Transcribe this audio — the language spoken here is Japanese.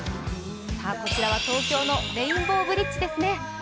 こちらは東京のレインボーブリッジですね。